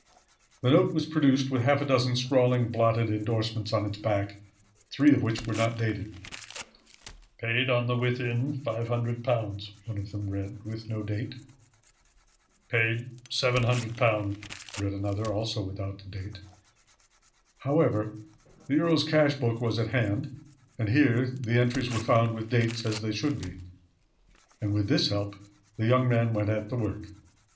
The note was produced, with half a dozen scrawling, blotted indorsements on its back, three of which were not dated. "Paid on the within £500," one of them read with no date. "Paid £700," read another, also without date. However, the earl's cash book was at hand, and here the entries were found with dates, as they should be; and with this help the young man went at the work.